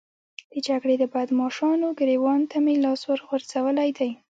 د جګړې د بدماشانو ګرېوان ته مې لاس ورغځولی دی.